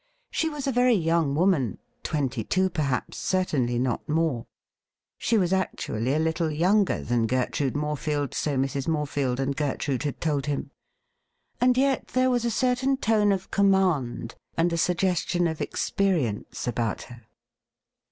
She was a very young woman — twenty two, perhaps, certainly not more ; she was actually a little younger than Gertrude Morefield, so Mrs. More field and Gertrude had told him, and yet there was a certain tone of command and a suggestion of experience about her.